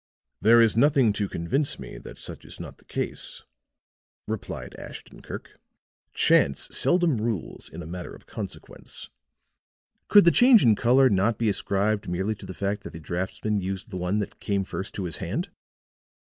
"There is nothing to convince me that such is not the case," replied Ashton Kirk. "Chance seldom rules in a matter of consequence." "Could the change in color not be ascribed merely to the fact that the draughtsman used the one that came first to his hand?"